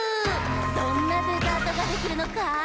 どんなデザートができるのか？